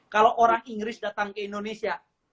kalau orang inggris datang ke indonesia